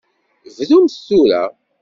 Bdumt tura.